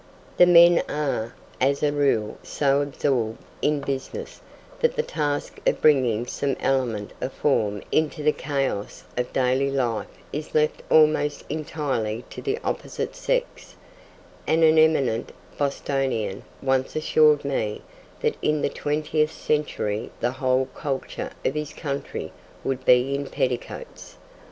The men are, as a rule, so absorbed in business, that the task of bringing some element of form into the chaos of daily life is left almost entirely to the opposite sex, and an eminent Bostonian once assured me that in the twentieth century the whole culture of his country would be in petticoats.